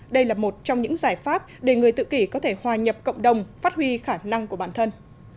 đây là một trong những giải pháp để người tự kỷ có thể hòa nhập cộng đồng phát huy khả năng của bản thân